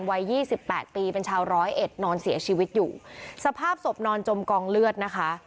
วัยยี่สิบแปดปีเป็นชาวร้อยเอ็ดนอนเสียชีวิตอยู่สภาพศพนอนจมกองเลือดนะคะ